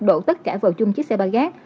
đổ tất cả vào chung chiếc xe ba gác